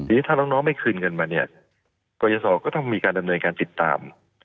ทีนี้ถ้าน้องไม่คืนเงินมาเนี่ยกรยศก็ต้องมีการดำเนินการติดตาม